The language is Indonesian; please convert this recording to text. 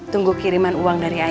tunggu kiriman uang dari ayah